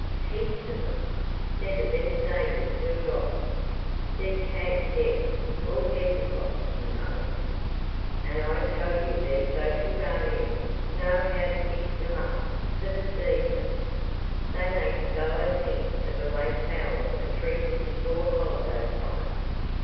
"Heaps of them. They're the best neighbors we've got. There's Camp Deb (all debutants you know), and I tell you their social guardians know how to fix them up for the season. They make a fellow think of the way fowls are treated before holiday time?"